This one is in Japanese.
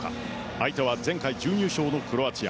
相手は前回準優勝のクロアチア。